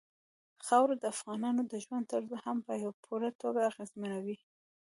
خاوره د افغانانو د ژوند طرز هم په پوره توګه اغېزمنوي.